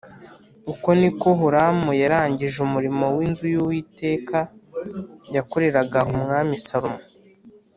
Uko ni ko Huramu yarangije umurimo w’inzu y’Uwiteka yakoreraga Umwami Salomo